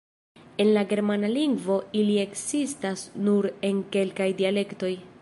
En la Germana lingvo ili ekzistas nur en kelkaj dialektoj.